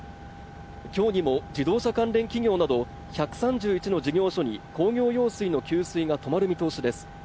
今日にも自動車関連企業など１３１の事業所に工業用水の給水が止まる見通しです